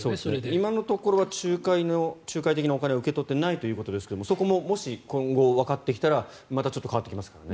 今のところは仲介的なお金を受け取っていないということですがそこも、もし今後わかってきたらちょっと変わってきますからね。